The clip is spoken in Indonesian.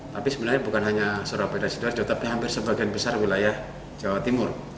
tapi sebenarnya bukan hanya surabaya dan sidoarjo tapi hampir sebagian besar wilayah jawa timur